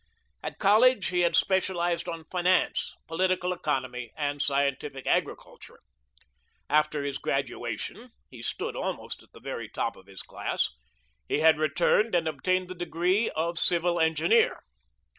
At college, he had specialised on finance, political economy, and scientific agriculture. After his graduation (he stood almost at the very top of his class) he had returned and obtained the degree of civil engineer.